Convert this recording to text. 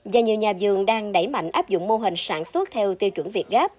và nhiều nhà vườn đang đẩy mạnh áp dụng mô hình sản xuất theo tiêu chuẩn việt gáp